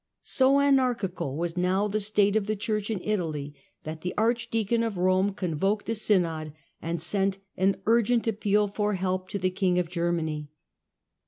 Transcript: So anarchical was now the state of the Church in Italy that the Archdeacon of Rome convoked a Synod and sent an urgent appeal for help to the king of First Germany.